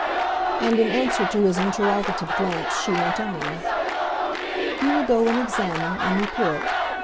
And in answer to his interrogative glance she went on. "You will go and examine, and report.